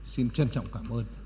xin trân trọng cảm ơn